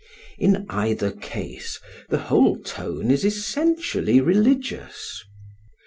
In either case the whole tone is essentially religious.